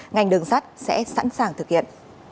ngành đường sát sẽ sẵn sàng thực hiện